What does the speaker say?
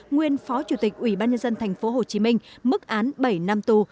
nguyên phó chủ tịch ubnd tp hcm bị tuyên án bảy năm tù